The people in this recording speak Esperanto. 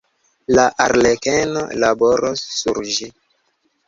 La arlekeno laboros sur ĝi.